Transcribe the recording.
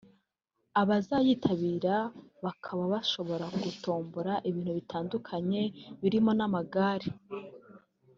abazayitabira bakaba bashobora gutombora ibintu bitandukanye birimo n’amagare